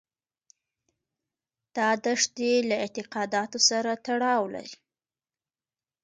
دا دښتې له اعتقاداتو سره تړاو لري.